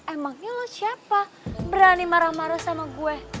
emangnya lo siapa berani marah marah sama gue